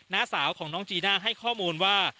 ้าสาวของน้องจีน่าให้ข้อมูลว่า